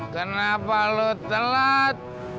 kenapa lo telat